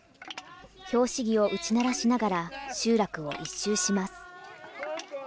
拍子木を打ち鳴らしながら、集落を一周します。